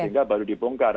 sehingga baru dibongkar